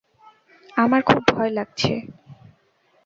আমার খুব ভয় লাগছে।